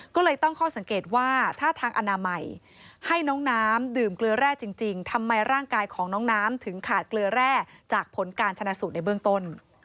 ก็เลยตั้งข้อสังเกตว่าถ้าทางอนามัยให้น้องน้ำดื่มเกลือแร่จริงทำไมร่างกายของน้องน้ำถึงขาดเกลือแร่จากผลการชนะสูตรในเบื้องต้น